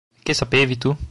Che sapevi tu?